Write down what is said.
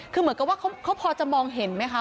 คือเหมือนกับว่าเขาพอจะมองเห็นไหมคะ